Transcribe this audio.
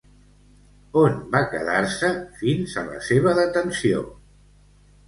On va quedar-se fins a la seva detenció?